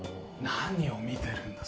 何を見てるんだ？